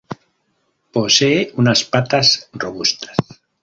Posee unas patas robustas.